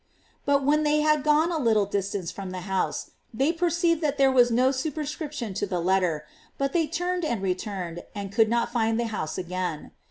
But when they had gone a little distance from the house, they perceived GLORIES OF MABY. 455 that there was no superscription to the letter; but they turned and returned, and could not find the house again.